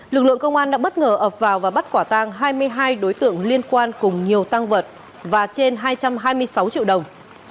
lực lượng công an đã bất ngờ ập vào và bắt quả tang hai mươi hai đối tượng liên quan cùng nhiều tăng vật và trên hai trăm hai mươi sáu triệu đồng